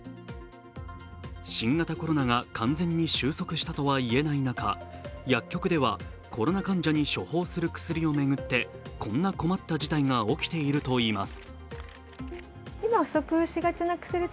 新型コロナが完全に収束したとはいえない中、薬局ではコロナ患者に処方する薬を巡ってこんな困った事態が起きているといいます。